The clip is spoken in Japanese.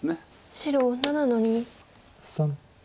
白７の二。